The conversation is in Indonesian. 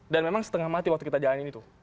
dan memang setengah mati waktu kita jalanin itu